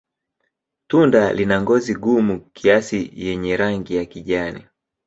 Tunda lina ngozi gumu kiasi yenye rangi ya kijani.